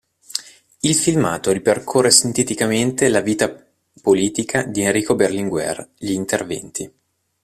Il filmato ripercorre sinteticamente la vita politica di Enrico Berlinguer, gli interventi.